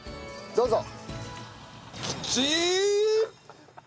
どうぞ。